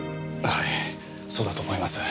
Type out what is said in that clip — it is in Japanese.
はいそうだと思います。